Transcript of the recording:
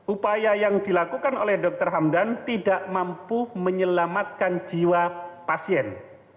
upaya yang dilakukan oleh dokter hamdan tidak mampu menyelamatkan jiwa pasien